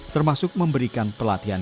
termasuk memberikan pelatihan